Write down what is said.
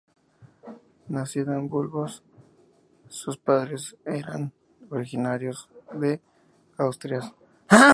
Nacido en Burgos, sus padres eran originarios de Asturias.